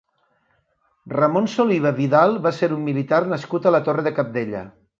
Ramon Soliva Vidal va ser un militar nascut a la Torre de Cabdella.